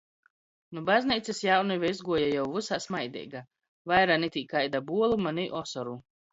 Nu bazneicys jaunive izguoja jau vysā smaideiga, vaira ni tī kaida buoluma, ni osoru.